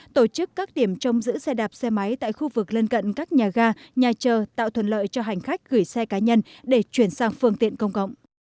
tổ chức các điểm trong giữ xe đạp xe máy tại khu vực lân cận các nhà ga nhà chờ tạo thuận lợi cho hành khách gửi xe cá nhân để chuyển sang phương tiện công cộng